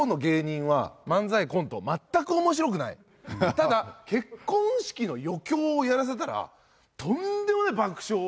ただ結婚式の余興をやらせたらとんでもない爆笑を。